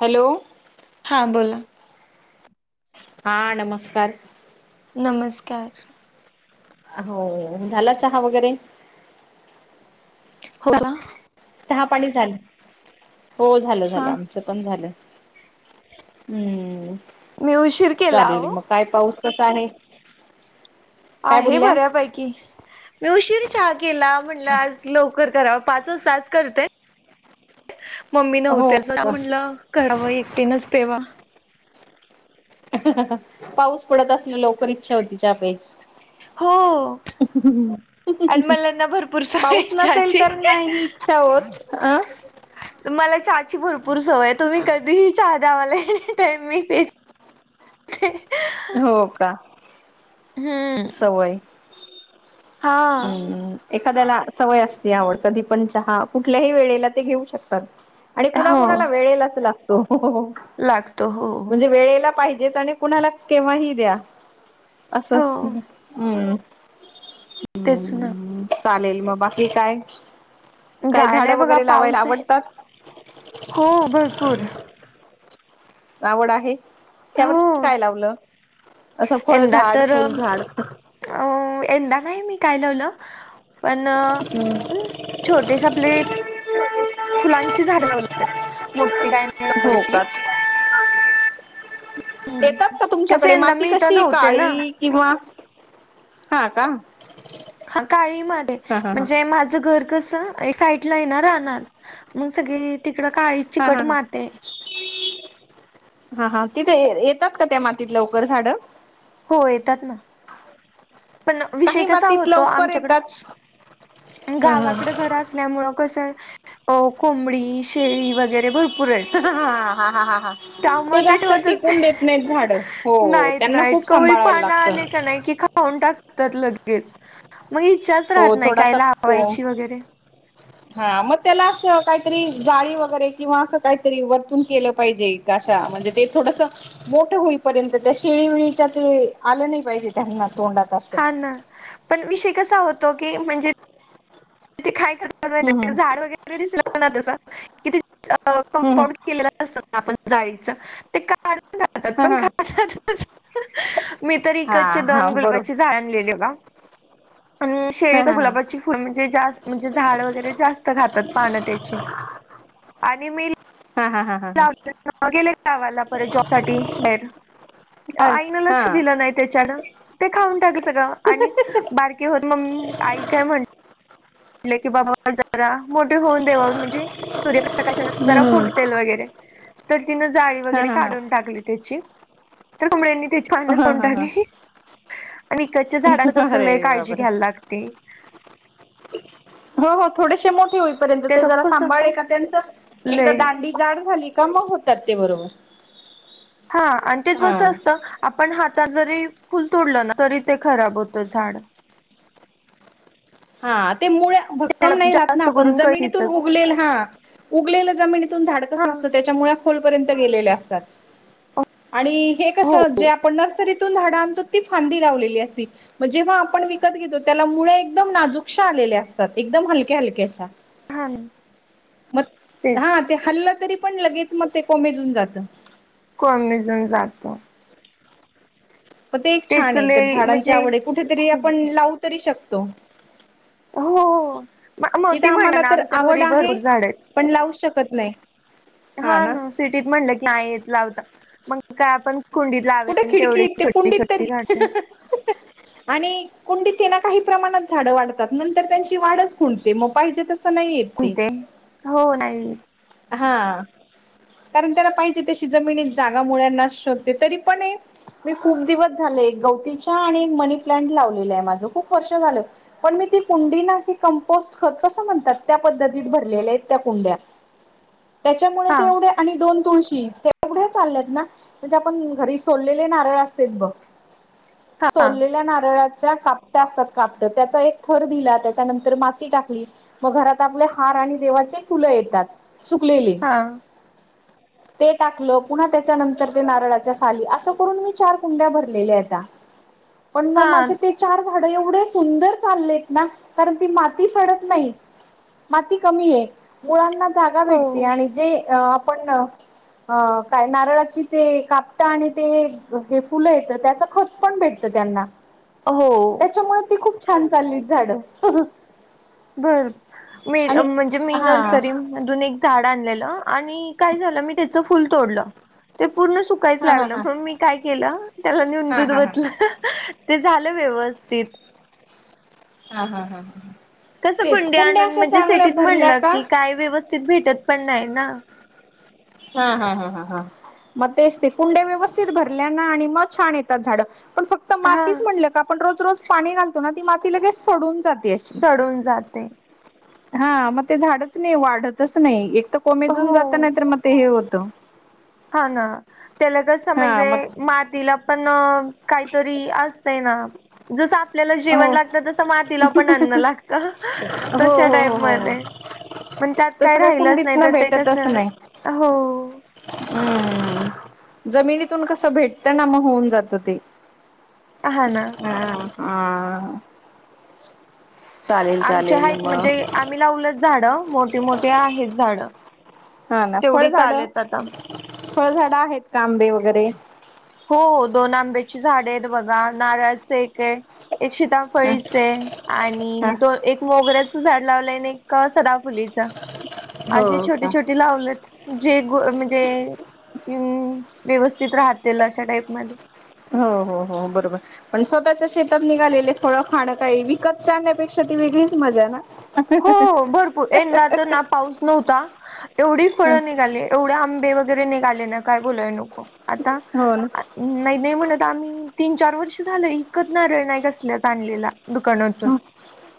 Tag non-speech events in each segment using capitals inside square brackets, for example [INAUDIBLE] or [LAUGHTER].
Hello हां बोला. हा नमस्कार. नमस्कार. हो झाला चहा वगैरे हो चहा पाणी झालं हो झालं हा झालं आम पण झालं हम्म. मी उशीर केला चालेल हो. मग काय पाऊस कसा आहे. काय आहे बोलल्या बऱ्यापैकी मी उशीर चा केला म्हणलं आज लवकर करा. पाच तास करते. मम्मी हो नव्हत्या अस का म्हटलं करावं एकटीनच पेवा. पाऊस पडत असल लवकर इच्छा होती चा प्याची हो [UNINTELLIGIBLE] आणि मलाना भरपूर सवय आहे पाऊस नसेल चहाची तर नाही इच्छा होत अ [UNINTELLIGIBLE] मला चहाची भरपूर सवय आहे तुम्ही कधीही चहा द्या मला तरीही मी पिन ते [UNINTELLIGIBLE] हो का [UNINTELLIGIBLE] हम्म सवय [UNINTELLIGIBLE] हा हम्म [UNINTELLIGIBLE] एखाद्याला सवय असते आवड कधी पण चहा कुठल्याही वेळेला ते घेऊ शकतात आणि कुणा हो कुणाला वेळेलाच लागतो लागतो हो म्हणजे वेळेला पाहिजे आणि कुणाला केव्हाही द्या हो असंम् तेच ना [UNINTELLIGIBLE] चालेल मग बाकी काय काय झाडं नाही बघा वगैरे लावायला पाऊस आहे. आवडतात हो भरपूर [UNINTELLIGIBLE] आवड आहे हो त्यावरर्ष काय लावलं असं फळ यंदा झााड तर फुलझाड [UNINTELLIGIBLE] अ यंदा नाही मी काय लावलं [UNINTELLIGIBLE] पण छोटेसा प्ले [UNINTELLIGIBLE] फुलांची झाग लावले आहेत मोठी गाय नाही हो का लावलेली येतात हम्म. का कसं तुमच्याकडे यंदा माती मी इथं कशी नव्हते ना काळी [UNINTELLIGIBLE] हवा हा का हा काळीमध्ये हा हा हा म्हणजे माझं घर कसं [UNINTELLIGIBLE] साईड ला येणार राहणार मग सगळी तिकड काळी हा हा चिकट ह माती आहे [UNINTELLIGIBLE] हा हा तिथे येतात का त्या मातीत लवकर झाडं हो येतात ना [UNINTELLIGIBLE] पण विषय काही कसा मातीत होतो लवकर आमच्याकड येतात ह गावाकडे घरा [UNINTELLIGIBLE] असल्यामुळे कस कोंबडी शेळी वगैरे भरपूर आहेत अं हा ह हा हा [UNINTELLIGIBLE] ते त्यामुळे जास्त ठेवतच टिकून देत नाहीत झाड हो नाहीत त्यांना नाहीत खूप कवळी सांभाळायला पानं लागतं आले का नाही की [UNINTELLIGIBLE] खाऊन टाकतात लगेच मग इच्छाच हो राहत नाय काय थोडासा को लावायची वगैरे हा मग त्याला असं काहीतरी जाळी वगैरे किंवा असं काहीतरी वरतून केलं पाहिजे कशा म्हणजे ते थोडस [UNINTELLIGIBLE] मोठ होईपर्यंत त्या शेळी वळीच्या ते आलं नाही पाहिजे त्यांना तोंडात असं हा ना पण विषय कसा होतो की म्हणजे [UNINTELLIGIBLE] त काय कर मा हम्म झाड वगैरे दिसले ना तस कि हम्म कंपांड हम्म के [UNINTELLIGIBLE] आपण जायच ते का [UNINTELLIGIBLE] हं ह [UNINTELLIGIBLE] मी तर इकडचे दोन गुलबाची बरोबर झाड आणलेले आणि हा शेळीतर हा हा गुलाबाची फूल म्हणजे जा [UNINTELLIGIBLE] झाड वगैरे जास्त खातात पान त्याची आणि मि हा हा हा [UNINTELLIGIBLE] [UNINTELLIGIBLE] गेले गावाला परत जॉब साठी बाहेर अरे आईनं हा लक्ष दिलं नाही त्याच्यानं [UNINTELLIGIBLE] ते खाऊन टाक सगळं आणि बारकी होत म आई काय म्हणते ले कि बाबा [UNINTELLIGIBLE] जरा मोठे होऊन देवावी म्हणजे सूर्यप्रकाशना हा जरा फुटतील वगैरे तर तिनं जाळी हा वगैरे हा काढून टाकली त्याची तर कोंबड्यानी ती पान हा खाऊन हा हा टाकली आणि इकडच्या झाडांची कस अरे लय काळजी बापरे घ्यायला लागती हो हो थोडेसे मोठे होईपर्यंत ते त्याच जरा कसं सांभाळे असतं का त्यांच एकदा लय दांडी [UNINTELLIGIBLE] जाड झाली का मग होतात ते बरोबर [UNINTELLIGIBLE] हा, आणि ते हा कसं असतं. आपण हातान जरी फुल तोडलं ना तरी ते खराब होतं झाड. हा ते मुळ त्याला भक्कम नाही राहत ना जास्त पण करून जमिनीतून कैचीचच उघलेल हा, उगलेलं जमिनीतून झाड हा कसं असतं, त्याच्यामुळ्या खोलपर्यंत गेलेल्या असतात. आणि हे कस हो जे आपण नर्सरीतून झाड आणतो. ती फांदी लावलेली असती. जेव्हा आपण विकत घेतो, त्याला मुळ्या एकदम नाजूकशा आलेल्या असतात. एकदम हलक्या हलक्याशा हा मग तेच हा ते हल्लं तरी पण लगेच मग ते कोमेजून जात. कोमेजून जातो. पण ते एक छान तेच आहे. तर लय झाडांची म्हणजे आवड आहे. कुठेतरी आपण लावू तरी शकतो. हो हो, इथं मोठी आम्हाला म्हणाना, तर आमच्या आवड घरी आहे भरपूर झाड पण लावू शकत नाही आहेत हा सिटीत म्हणलं की नाय येत लावता मग, काय आपण कुंडीत कुठे लावेन तेवढी खिडकी ते छोटी कुंडीत छोटी, तरी झाडं. आणि कुंडीत आहेना, काही प्रमाणात झाडं वाढतात. नंतर त्यांची वाढच खुंटते मग पाहिजे तसं नाय येत ते, कोणते हो नाही हा कारण त्याला पाहिजे. तशी जमिनीत जागा मुलांना शोधते तरी, पण मी खूप दिवस झाले, एक गौती चहा आणि एक मनी प्लांट लावलेलं आहे. माझ खूप वर्ष झाल. पण मी ती कुंडी ना अशी कंपोस्ट खत कसं म्हणतात. त्या पद्धतीत भरलेले आहेत त्या कुंड्या. [INAUDIBLE] त्याच्यामुळे हा ते एवढे आणि दोन तुळशी ते एवढ्या चालल्यात ना आपण घर सोललेले नारळ असतेत, बघ हा सोललेल्या नारळात च्या कापट्या असतात. कापटं त्याचा एक थर दिला त्याच्यानंतर माती टाकली. मग घरात आपल्या हार आणि देवाचे फुलं येतात. सुकलेली हा ते टाकलं पुन्हा त्याच्यानंतर ते नारळाच साली असं करून मी चार कुंड्या भरलेल्या आहेत्या पण मग हा माझ्या ते चार झाड एवढे सुंदर चाललेत, ना कारण ती माती सडत नाही. माती कमी आहे, मुळांना जागा हो भेटते आणि जे आपण अ काय नारळाची ते काप आणि ते हे, फुलं येत त्याच खत पण भेटतं त्यांना, हो, त्याच्यामुळे ती खूप छान चाललीत झाडं ह ह, बर मी म्हणजे मी हा नर्सरी मधून एक झाड आणलेलं आणि काय झालं मी त्याच फुल तोडलं. ते पूर्ण सुकायचं हा हा लागलं हा मग मी काय केलं त्याला नेहुन हा हा दूध ओतल. हा ते झालं व्यवस्थित. हा हा हा हा, कसं कुंडी आणून म्हणजे सिटीत भरल्या म्हणलं, का की काय व्यवस्थित भेटत पण नाही ना, हा हा हा हा,. मग तेच ते कुंडे व्यवस्थित भरल्या ना आणि मग छान येतात झाडं पण फक्त हा मातीच म्हणलं का आपण रोज रोज, पाणी घालतो. ना ती माती लगेच सडून जात. सडून जाते. हा, मग ते झाडच नाही वाढतच नाही. एक तर कोमेजून हो जात नाही तर मग ते हे होतं. हा ना त्याला जस हा म्हणजे मग मातीला पण काहीतरी असतं ना. जसं आपल्याला जेवण हो हो लागतं. तस मातीला पण अन्न लागत हो तशा टाईप हो हो हो मध्ये पण त्यात काय तसं राहिलंच कुंडीत नाही. ना तर ते कस भेटतच नाही हो, हम्म जमिनीतून कसं भेटतं ना मग होऊन जातं ते, हा ना हम्म हम, चालेल चालेल मग, मी लावलच झाडं मोठे मोठे आहेत झाडं. हा ना, तेवढी फळझाड, चालेत आता फळझाडं आहेत आंबे वगैरे, हो दोन आंब्याची झाडे आहेत बघा नारळच एक आहे एक शिता अ फळीचं हे आणि हा दोन एक मोगऱ्याचं झाड लावलंय आणि एक सदाफुलीचं [INAUDIBLE] अशी छोटी का? छोटी लावलेत जे ग म्हणजे व्यवस्थित राहतील अशा टाईप मध्ये हो हो हो बरोबर पण स्वतःच्या शेतात निघालेले फळं खाणं काही विकतचे आणण्यापेक्षा ती वेगळीच मजा ना हो भरपूर यंदा तर ना पाऊस नव्हता एवढी फळं निघाली एवढे आंबे वगैरे निघाले ना काय बोलय नको आता हो ना नाही नाही म्हणत आम्ही तीन चार वर्ष झाल इकत नारळ नाही कसल्या आणलेला दुकानातून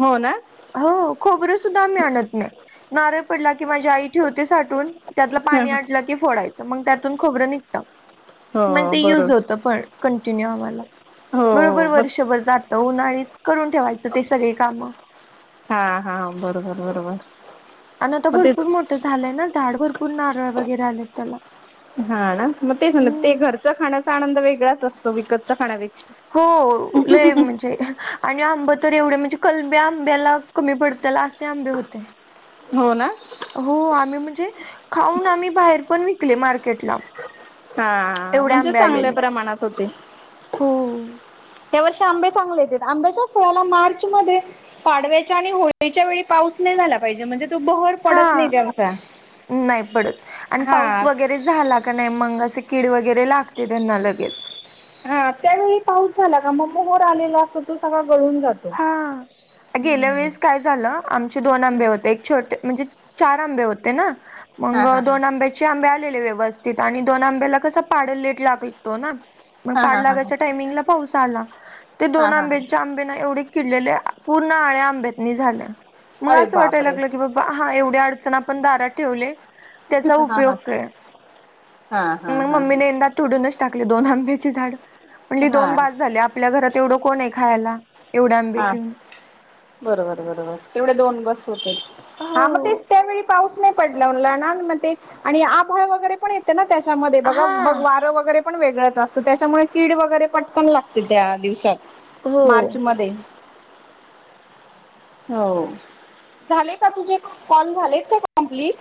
हो ना हो खोबरं सुद्धा आम्ही आणत नाही नारळ पडला कि माझी आई ठेवते साठवून त्यातलं पाणी आट की फोडायच मग त्यातून खोबरं निघतं. हो मग ते बरोबर युज होतं पण कंटिन्यू आम्हाला हो बरोबर मग वर्षभर जातं उन्हाळीत करून ठेवायचं ते सगळी कामं हा हा बरोबर बरोबर आणि आता मग ते भरपूर मोठं झालंय ना झाड भरपूर नारळ वगैरे आलेत त्याला हा ना मग तेच ना ते हम्म घरचं खाण्याचा आनंद वेगळाच असतो विकतचं खाण्यापे हो लय म्हणजे आणि आंब तर एवढे म्हणजे कलब्या आंब्याला कमी पडत्याल असे आंबे होते हो ना हो आम्ही म्हणजे खाऊन आम्ही बाहेर पण विक कले मार्केट ला हा एवढे म्हणजे आंबे चांगल्या आलेले प्रमाणात होते हो या वर्षी आंबे चांगले होते आंब्याच्या फळाला मार्च मध्ये पाडव्याच्या आणि होळीच्या वेळी पाऊस नाही झाला पाहिजे म्हणजे तो बहर पडत हा नाही त्यांचा नाही पडत आणि पाऊस हा वगैरे झाला का नाही मंग असे कीड वगैरे लागते त्यांना लगेच हा त्यावेळी पाऊस झाला का मग मोहोर आलेला असतो तो सगळा गळून जातो हा गेल्या वेळेस हम्म काय झा आमचे दोन आंबे होते एक छोटे म्हणजे चार आंबे होते ना हा मग हा हा दोन आंब्या चे आलेले व्यवस्थित आणि दोन आंब्याला कसा पाड लेट लागतो ना हा पाड हा हा लागायच्या टामिंगला पाऊस आला ते हा हा दोन हा हा आंब्यांच्या आ एवढे किडलेळे पूर्ण आळ्या आंब्यातणी झाल्या मग अरे अस वाटायला बापरे लागलं की बा हा एवढी अडचण आपण दारात ठेवले त्याचा हा हा उपयोग हा काय हा मंग हा हा मम्मी ने यंदा तोडूनच टाकले दोन आंब्याची झाडं म्हणली हा दोन बास झाले आपल्या घरात एवढं कोण आहे खायला? एवढे आंबे हा घेऊन बरोबर बरोबर तेवढे दोन बस हा मग हो ते त्यावेळी पाऊस नाही पडला ल मग ते आणि आभाळ वगैरे पण येते ना त्याच्यामध्ये बघा ब हा वारं वगैरे पण वेगळंच असतं त्याच्यामुळे कीड वगैरे पटकन लागत ते त्या हो दिवसात मार्च मध्ये हो झाले का तुझे कॉल झालेत का कंप्लिट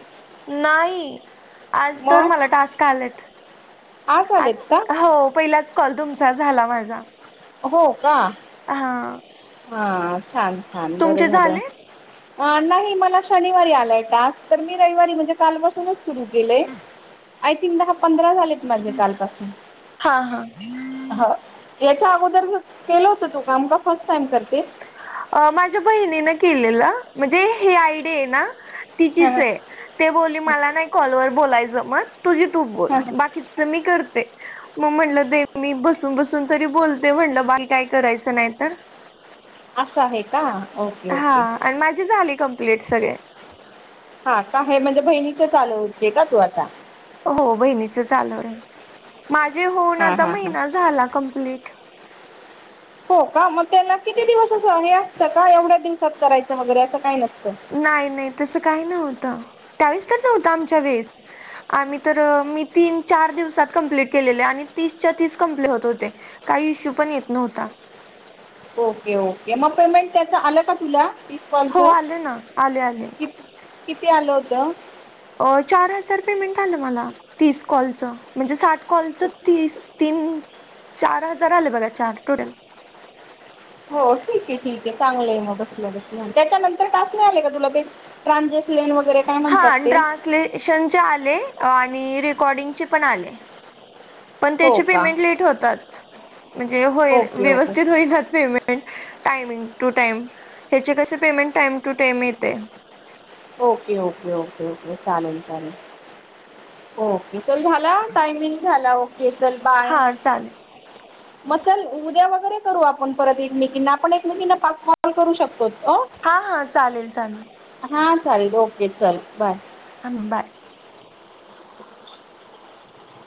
नाही आज तर मला टास्क आलेत आज आ आलेत का? हो पहिलाच कॉल तुमचा झाला माझा हो का हा हा छान छान बरं तुमचे झालं झाले नाही मला शनिवारी आलाय टास्क तर मी रविवारी म्हणजे काल पास सुनच सुरू केले आयथिंक दहा पंधरा झालेत माझे कालपासून हा हा हा त्याच्या अगोदर केलं होतं तू काम का फर्स्ट टाइम करतेस? माझ्या बहिणीन केलेलं म्हणजे हे आय डी आहे ना हा तिचीच हा आहे ते बोलली मला नाही कॉलवर बोलायचं मग तुझी तूच बोल हा हा. बाकीचं तर मी करते मग म्हटलं दे मी बसून बसून तरी बोलते म्हणलं बाई काय करायचं नाही तर असं आहे का? ओके, हा ओके आणि माझी झाली कम्प्लीट सगळे. हा का आहे म्हणजे बहिणीच चालवते होते का तू आता? हो बहिणीच चालू आहे माझे होऊन हा आता हा हा. महिना झाला कंम्प्लीट. हो का मग त्याला किती दिवस अस हे असतं का एवढ्या दिवसात करायचं वगैरे असं काही नसतं. नाही नाही तसं काही नव्हतं त्यावेळेस तर नव्हतं आमच्या वेळेस आम्ही तर मी तीन चार दिवसात कंप्लीट केलेले आणि तीसच्या तीस कंप्ली होत होते काही इश्यू पण येत नव्हता. ओके ओके मग पेमेंट त्याच आलं का तुला? हो कॉलचं? आल ना आले आले. कि किती आल होत? अ चार हजार पेमेंट आलं मला तीस कॉलचं म्हणजे साठ कॉलच ती तीन, चार हजार आले बघा चार टोटल. हो ठीक आहे ठीक आहे चांगलंय मग बसल्या बसल्या त्याच्यानंतर टास्क नाही आलेय का तुला बे ट्रांजेशलेन वगैरे, हा ट्रान्सलेशनचे आले आणि रेकॉर्डिंगचे पण आले. पण हो त्याची का पेमेंट लेट होतात म्हणजे हो ओके ओके व्यवस्थित होईनात. टाइमिंग टू टाइम ह्याचे कसे पेमेंट टाइम टू टाइम येते. ओके, ओके, ओके, ओके चालेल, चालेल. ओके चल झाला टायमिंग झाला ओके चल बाय. हा चालेल मग चल उद्या वगैरे करू आपण परत एकमेकींना आपण एकमेकींना पाच कॉल करू शकतो अं. हा हा चालेल चालेल. हा चालेल ओके चल बाय. बाय